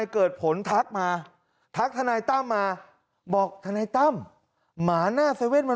คิดว่าคงไม่เบาแน่นอน